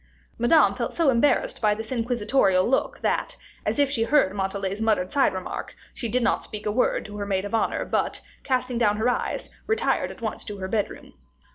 Madame felt so embarrassed by this inquisitorial look, that, as if she heard Montalais's muttered side remark, she did not speak a word to her maid of honor, but, casting down her eyes, retired at once to her bedroom.